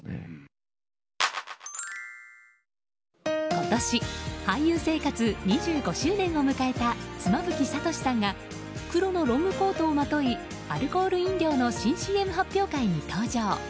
今年、俳優生活２５周年を迎えた妻夫木聡さんが黒のロングコートをまといアルコール飲料の新ＣＭ発表会に登場。